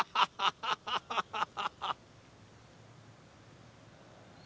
ハハハ。